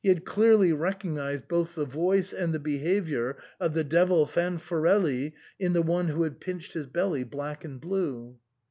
had clearly recognised both the voice and the behaviour of the devil Fanfarelli in the one who had pinched his belly black and blue.